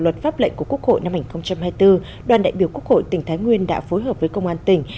luật pháp lệnh của quốc hội năm hai nghìn hai mươi bốn đoàn đại biểu quốc hội tỉnh thái nguyên đã phối hợp với công an tỉnh